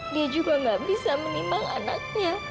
dia juga gak bisa menimang anaknya